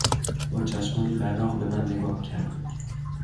با چشمانی براق به من نگاه کرد.